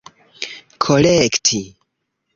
kolekti